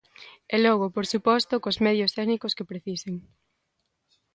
E logo, por suposto, cos medios técnicos que precisen.